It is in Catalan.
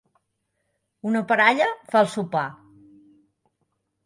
una paralla fa el sopar